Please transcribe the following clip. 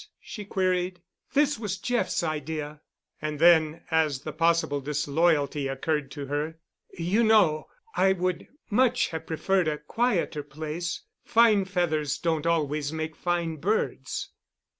she queried. "This was Jeff's idea." And then, as the possible disloyalty occurred to her, "You know I would much have preferred a quieter place. Fine feathers don't always make fine birds."